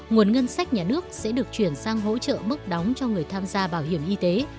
nguồn ngân sách nhà nước sẽ được chuyển sang hỗ trợ mức đóng cho người bệnh